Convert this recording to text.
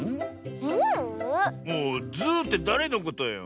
ズーってだれのことよ。